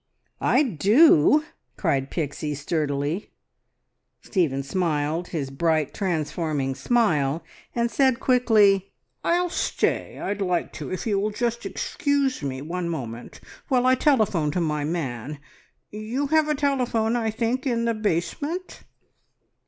"I do!" cried Pixie sturdily. Stephen smiled, his bright, transforming smile, and said quickly "I'll stay! I'd like to, if you will just excuse me one moment while I telephone to my man. You have a telephone, I think, in the basement?"